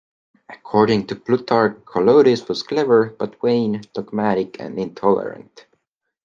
According to Plutarch, Colotes was clever, but vain, dogmatic and intolerant.